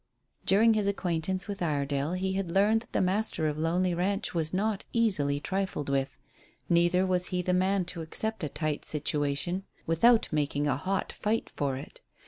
During his acquaintance with Iredale he had learned that the master of Lonely Ranch was not easily trifled with, neither was he the man to accept a tight situation without making a hot fight for it.